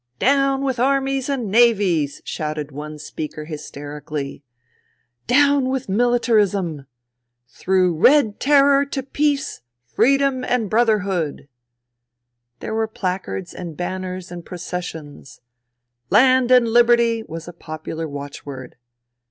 " Down with Armies and Navies !" shouted one speaker hysterically. " Down with militarism ! Through red terror to peace, freedom and brother hood 1 '* There were placards and banners and pro cessions. " Land and Liberty !'* was a popular watchword.